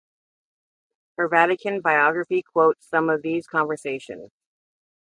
Her Vatican biography quotes some of these conversations.